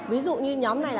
ví dụ như nhóm này